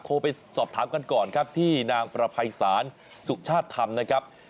โทรไปสอบถามกันก่อนครับที่นางประภัยศาลสุชาติธรรมนะครับ